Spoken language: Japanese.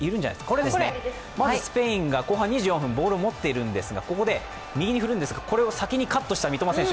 これですね、まずスペインが後半２４分、ボールを持っているんですがここで右に振るんですが、先にカットした三笘選手。